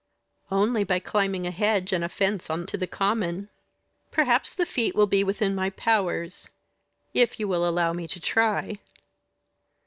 "Only by climbing a hedge and a fence on to the common." "Perhaps the feat will be within my powers if you will allow me to try."